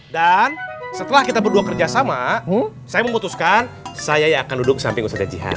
dan setelah kita berdua kerjasama saya memutuskan saya yang akan duduk samping ustaznya jijan